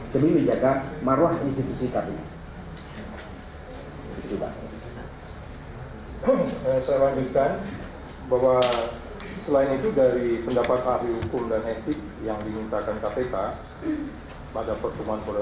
demi menjaga marlah institusi kami